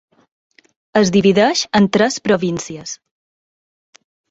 Es divideix en tres províncies: